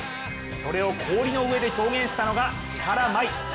それを氷の上で表現したのが三原舞依。